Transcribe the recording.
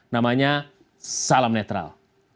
namanya salam netral